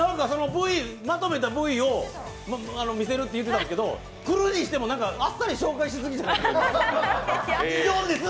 まとめたＶを見せるって言ってたんですけど来るにしても、あっさり紹介しすぎちゃいます？